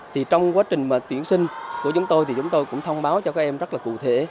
thì trong quá trình tuyển sinh của chúng tôi thì chúng tôi cũng thông báo cho các em rất là cụ thể